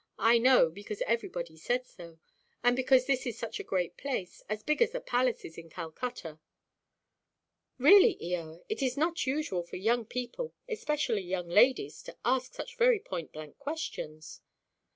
I know, because everybody says so, and because this is such a great place, as big as the palaces in Calcutta." "Really, Eoa, it is not usual for young people, especially young ladies, to ask such very point–blank questions."